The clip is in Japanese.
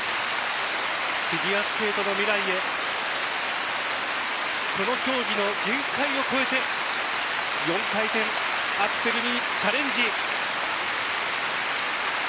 フィギュアスケートの未来へこの競技の限界を超えて４回転アクセルにチャレンジ。